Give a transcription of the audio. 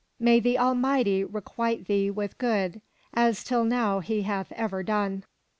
May the Almighty requite thee with good, as till now He hath ever done!''